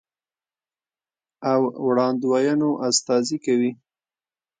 او وړاندوينو استازي کوي،